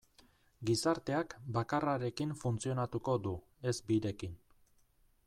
Gizarteak bakarrarekin funtzionatuko du, ez birekin.